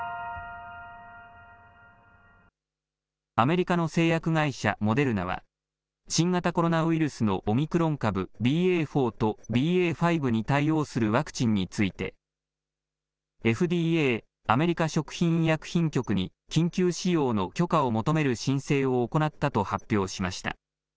アメリカの製薬会社モデルナは、新型コロナウイルスのオミクロン株ＢＡ．４とＢＡ．５に対応するワクチンについて、ＦＤＡ・アメリカ食品医薬品局に緊急使用の許可を求める申請を行ったと発表しました。